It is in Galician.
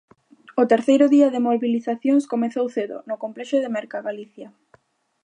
O terceiro día de mobilizacións comezou cedo, no complexo de Mercagalicia.